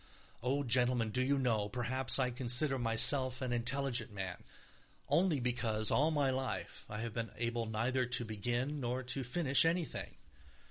Oh, gentlemen, do you know, perhaps I consider myself an intelligent man, only because all my life I have been able neither to begin nor to finish anything.